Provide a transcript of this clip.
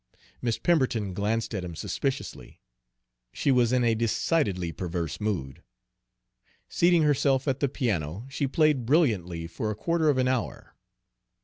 Miss Pemberton glanced at him suspiciously. She was in a decidedly perverse mood. Seating herself at the piano, she played brilliantly for a quarter of an hour.